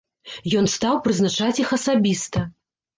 Ён стаў прызначаць іх асабіста.